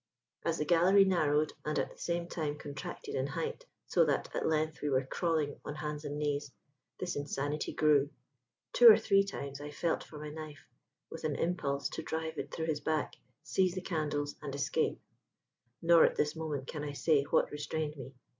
As the gallery narrowed and at the same time contracted in height, so that at length we were crawling on hands and knees, this insanity grew. Two or three times I felt for my knife, with an impulse to drive it through his back, seize the candles and escape: nor at this moment can I say what restrained me.